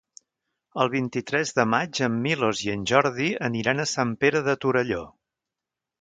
El vint-i-tres de maig en Milos i en Jordi aniran a Sant Pere de Torelló.